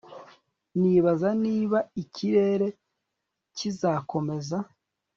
Ndibaza niba ikirere kizakomeza